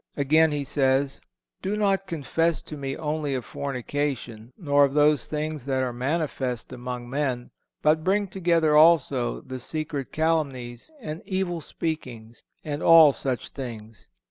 Again he says: "Do not confess to me only of fornication, nor of those things that are manifest among all men, but bring together also thy secret calumnies and evil speakings, ... and all such things."